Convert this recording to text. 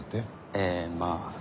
ええまぁ。